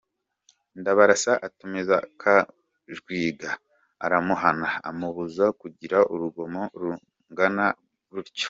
Ndabarasa atumiza Kajwiga aramuhana, amubuza kugira urugomo rungana rutyo.